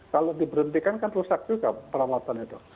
kalau diberhentikan kan rusak juga peralatan itu